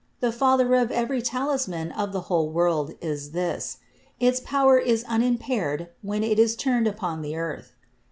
The father of every talisman of the whole world is this. Its power is unimpaired when it is turned upon the earth.